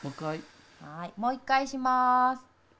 もう一回します。